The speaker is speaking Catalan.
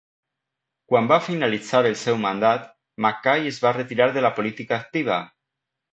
Quan va finalitzar el seu mandat, MacKay es va retirar de la política activa.